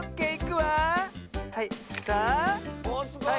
おっすごい。